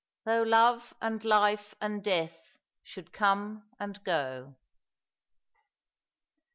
"THOUGH LOVS AND LIFE AND DEATH SHOULD COM3 AND GO."